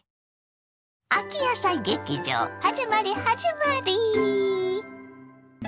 秋野菜劇場はじまりはじまり！